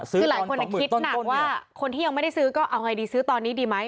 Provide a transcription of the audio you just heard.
คือหลายคนคิดหนักว่าคนที่ยังไม่ได้ซื้อก็เอาไงดีซื้อตอนนี้ดีไหม